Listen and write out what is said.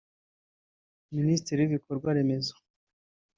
Minisitiri w’Ibikorwa remezo